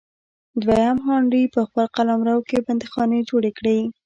دویم هانري په خپل قلمرو کې بندیخانې جوړې کړې.